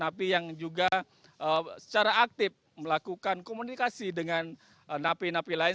tapi yang juga secara aktif melakukan komunikasi dengan narapidana narapidana lain